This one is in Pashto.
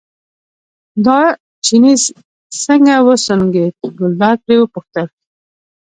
دا چيني څنګه وسونګېد، ګلداد پرې وپوښتل.